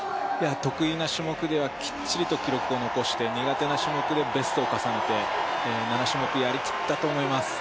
得意な種目ではきっちりと記録を残して苦手な種目でベストを重ねて７種目やりきったと思います。